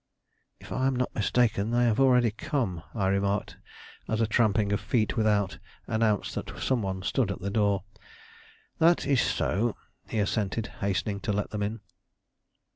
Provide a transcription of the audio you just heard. "If I am not mistaken, they have already come," I remarked, as a tramping of feet without announced that some one stood at the door. "That is so," he assented, hastening to let them in.